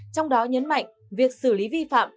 trong đó nhấn mạnh việc xử lý vi phạm